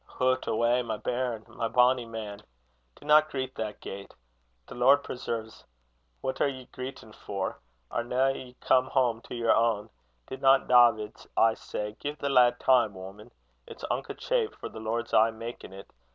"Hoot awa! my bairn! my bonny man! Dinna greet that gait. The Lord preserve's! what are ye greetin' for? Are na ye come hame to yer ain? Didna Dawvid aye say 'Gie the lad time, woman. It's unco chaip, for the Lord's aye makin't.